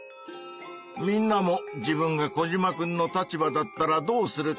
みんなも自分がコジマくんの立場だったらどうするか。